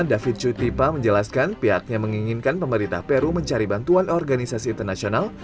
david cutipa menjelaskan pihaknya menginginkan pemerintah peru mencari bantuan organisasi internasional